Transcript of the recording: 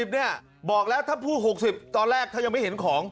เนี่ยบอกแล้วถ้าพูด๖๐ตอนแรกถ้ายังไม่เห็นของ